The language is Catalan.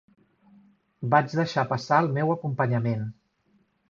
Vaig deixar passar el meu acompanyament